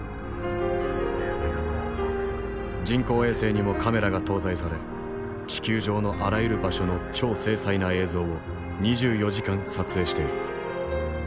人工衛星にもカメラが搭載され地球上のあらゆる場所の超精細な映像を２４時間撮影している。